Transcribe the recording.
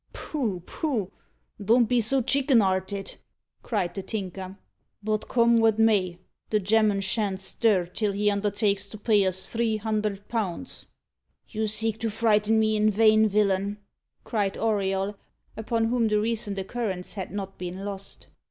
"Poh! poh! don't be so chicken 'arted!" cried the Tinker. "But come what may, the gemman shan't stir till he undertakes to pay us three hundred pounds." "You seek to frighten me in vain, villain," cried Auriol, upon whom the recent occurrence had not been lost.